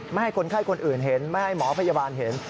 ไม่ให้คนไข้คนอื่นเห็นไม่ให้หมอพยาบาลเห็น